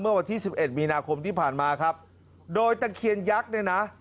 เมื่อวันที่สิบเอ็ดมีนาคมที่ผ่านมาครับโดยตะเคียนยักษ์เนี่ยนะ